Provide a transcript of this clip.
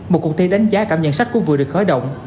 một cuộc thi đánh giá cảm nhận sách cũng vừa được khởi động